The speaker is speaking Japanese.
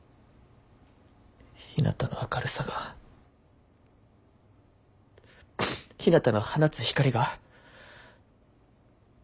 ひなたの明るさがひなたの放つ光が。